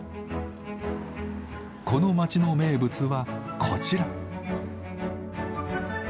この町の名物はこちら。